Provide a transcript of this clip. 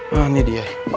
nah ini dia